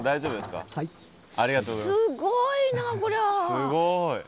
すごい。